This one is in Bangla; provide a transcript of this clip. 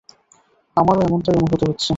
আমারও এমটাই অনুভূত হচ্ছে।